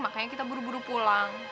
makanya kita buru buru pulang